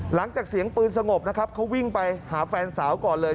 หลังจากเสียงปืนสงบนะครับเขาวิ่งไปหาแฟนสาวก่อนเลย